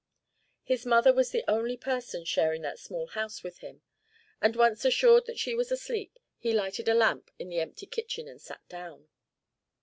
His mother was the only person sharing that small house with him, and once assured that she was asleep, he lighted a lamp in the empty kitchen and sat down.